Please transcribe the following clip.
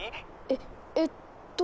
えっ？えっと。